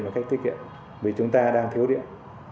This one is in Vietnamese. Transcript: một cách tiết kiệm vì chúng ta đang thiếu điện